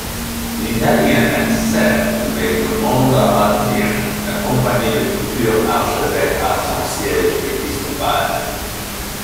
Vitalien accepte mais demande à Adrien d'accompagner le futur archevêque à son siège épiscopal.